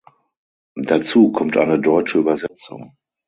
Dazu kommt eine deutsche Übersetzung.